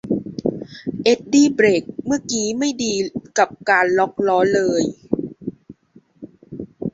เอ็ดดี้เบรกเมื่อกี๊ไม่ดีกับการล็อคล้อเลย